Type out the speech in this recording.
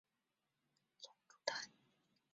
龙珠潭位于香港新界大埔区的八仙岭郊野公园。